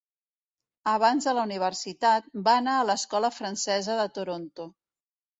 Abans de la universitat, va anar a l'escola francesa de Toronto.